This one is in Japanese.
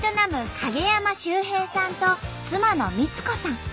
陰山修平さんと妻の三津子さん。